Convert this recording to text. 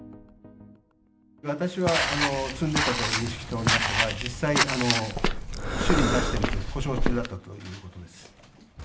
私は積んでたと認識しておりましたが、実際、修理に出してると、故障中だったということです。